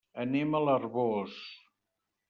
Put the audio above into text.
Anem a l'Arboç.